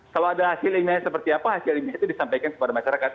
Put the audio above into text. kalau ada hasil imelnya seperti apa hasil imel itu disampaikan kepada masyarakat